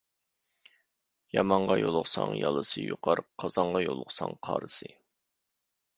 يامانغا يولۇقساڭ يالىسى يۇقار، قازانغا يولۇقساڭ قارىسى.